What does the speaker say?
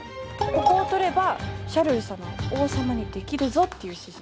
ここを取ればシャルル様を王様にできるぞっていう指示なんですね。